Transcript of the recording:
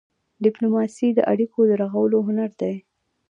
ډيپلوماسي د اړیکو د رغولو هنر دی.